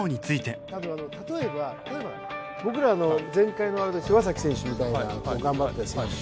多分例えば僕ら前回の柴崎選手みたいな頑張った選手。